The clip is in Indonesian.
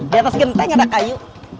di atas genteng ada kayu